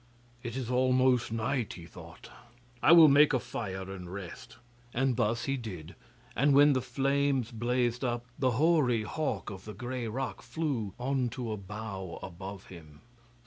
'It is almost night,' he thought; 'I will make a fire and rest,' and thus he did, and when the flames blazed up, the hoary hawk of the grey rock flew on to a bough above him.